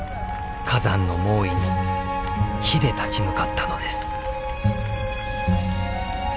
火山の猛威に火で立ち向かったのです。